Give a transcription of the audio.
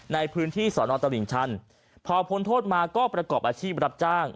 ในพื้นที่สอนอตลิ่งชันพอพ้นโทษมาก็ประกอบอาชีพรับจ้าง